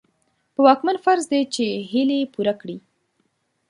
په واکمن فرض دي چې هيلې پوره کړي.